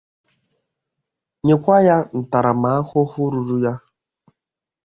nyekwa ya ntaramahụhụ ruru ya